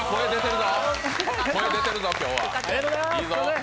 声出てるぞ、今日は、いいぞ。